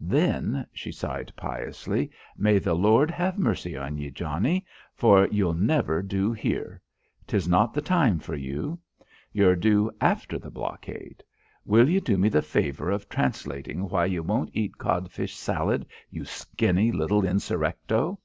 "Then," she sighed piously, "may the Lord have mercy on ye, Johnnie, for you'll never do here. 'Tis not the time for you. You're due after the blockade. Will you do me the favour of translating why you won't eat codfish salad, you skinny little insurrecto?"